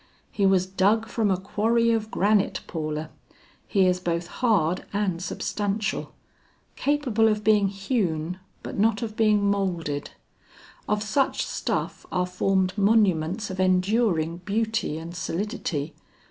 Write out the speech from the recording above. "He was dug from a quarry of granite, Paula. He is both hard and substantial; capable of being hewn but not of being moulded. Of such stuff are formed monuments of enduring beauty and solidity.